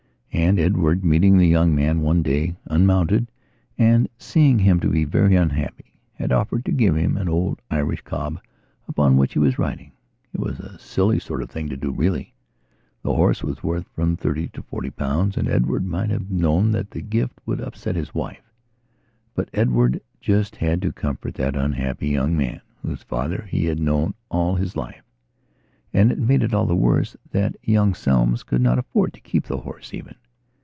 And Edward, meeting the young man one day, unmounted, and seeing him to be very unhappy, had offered to give him an old Irish cob upon which he was riding. It was a silly sort of thing to do really. The horse was worth from thirty to forty pounds and Edward might have known that the gift would upset his wife. But Edward just had to comfort that unhappy young man whose father he had known all his life. And what made it all the worse was that young Selmes could not afford to keep the horse even.